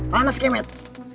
mana si kempit